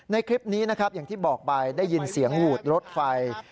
ในคลิปนี้นะครับอย่างที่บอกไปได้ยินเสียงหวูดรถไฟ